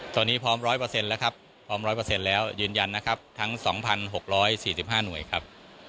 ตอนนี้พร้อม๑๐๐แล้วครับยืนยันนะครับทั้ง๒๖๔๕หน่วยครับ